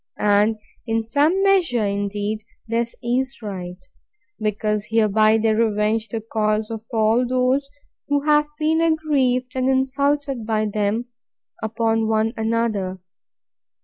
And, in some measure, indeed, this is right; because hereby they revenge the cause of all those who have been aggrieved and insulted by them, upon one another.